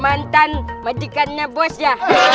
mantan mandikannya bos ya